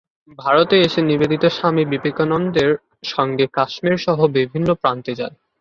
ভারতে এসে নিবেদিতা স্বামী বিবেকানন্দের সঙ্গে কাশ্মীর সহ বিভিন্ন প্রান্তে যান।